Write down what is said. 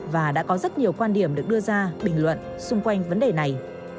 và đã có rất nhiều quan điểm được đưa ra bình luận xung quanh vấn đề này